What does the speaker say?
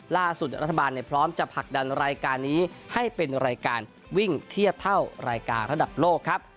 รัฐบาลพร้อมจะผลักดันรายการนี้ให้เป็นรายการวิ่งเทียบเท่ารายการระดับโลกครับ